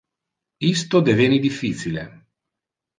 Isto deveni difficile.